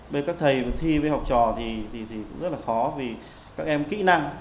với các thầy thi với học trò thì cũng rất là khó vì các em kỹ năng